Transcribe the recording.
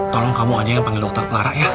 tolong kamu aja yang panggil dokter clara ya